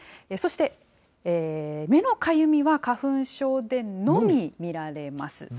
そして、目のかゆみは花粉症でのみ見られます。